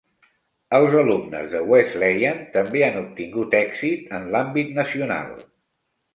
Els alumnes de Wesleyan també han obtingut èxit en l'àmbit nacional.